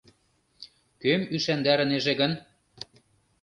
Кӧм ӱшандарынеже гын?..